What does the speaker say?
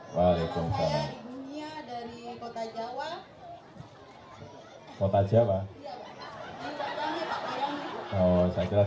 assalamu'alaikum warahmatullahi wabarakatuh